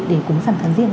để cúng sầm tháng diên